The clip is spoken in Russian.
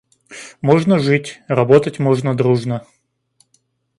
Можно жить, работать можно дружно.